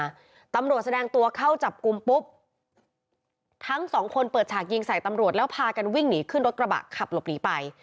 ตำรวจแสดงตัวเข้าจับกลุ่มปุ๊บทั้งสองคนเปิดฉากยิงใส่ตำรวจแล้วพากันวิ่งหนีขึ้นรถกระบะขับหลบหนีไป